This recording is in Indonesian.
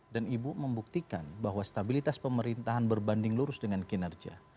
dan ibu membuktikan bahwa stabilitas pemerintahan berbanding lurus dengan kinerja